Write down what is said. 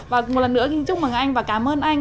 và một lần nữa xin chúc mừng anh và cảm ơn anh